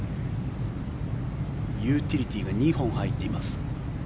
ユーティリティーが２本入っています。